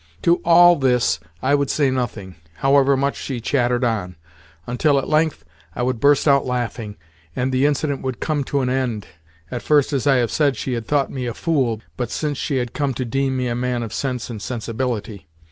To all this I would say nothing, however much she chattered on; until at length I would burst out laughing, and the incident would come to an end (at first, as I have said, she had thought me a fool, but since she had come to deem me a man of sense and sensibility).